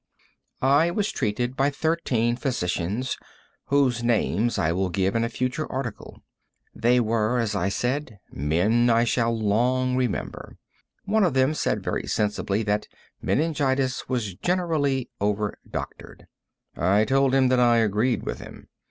I was treated by thirteen physicians, whose names I may give in a future article. They were, as I said, men I shall long remember. One of them said very sensibly that meningitis was generally over doctored. I told him that I agreed with him.